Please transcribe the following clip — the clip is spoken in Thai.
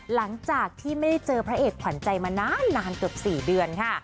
หลังจากที่ไม่ได้เจอพระเอกขวัญใจมานานเกือบ๔เดือนค่ะ